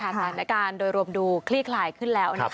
สถานการณ์โดยรวมดูคลี่คลายขึ้นแล้ว